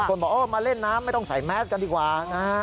บอกมาเล่นน้ำไม่ต้องใส่แมสกันดีกว่านะฮะ